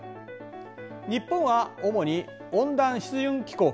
日本は主に温暖湿潤気候区